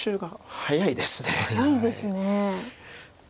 早いですね。